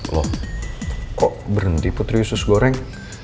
loh kok berhenti putri usus goreng